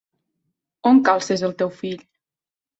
On calces el teu fill?